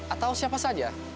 atau siapa saja